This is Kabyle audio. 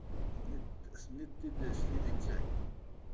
Tenna-t-id s tidet-nnes.